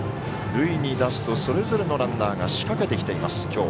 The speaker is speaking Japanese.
塁に出すとそれぞれのランナーが仕掛けている、今日。